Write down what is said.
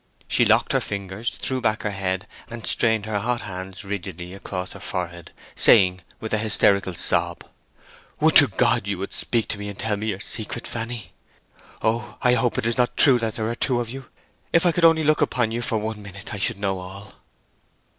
She locked her fingers, threw back her head, and strained her hot hands rigidly across her forehead, saying, with a hysterical sob, "Would to God you would speak and tell me your secret, Fanny!... Oh, I hope, hope it is not true that there are two of you!... If I could only look in upon you for one little minute, I should know all!"